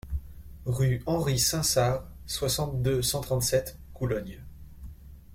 Rue Henry Sainsard, soixante-deux, cent trente-sept Coulogne